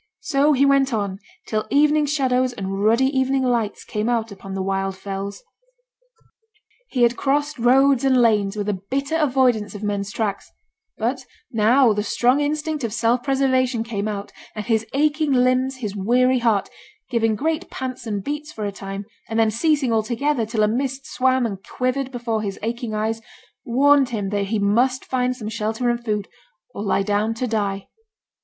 So he went on till evening shadows and ruddy evening lights came out upon the wild fells. He had crossed roads and lanes, with a bitter avoidance of men's tracks; but now the strong instinct of self preservation came out, and his aching limbs, his weary heart, giving great pants and beats for a time, and then ceasing altogether till a mist swam and quivered before his aching eyes, warned him that he must find some shelter and food, or lie down to die.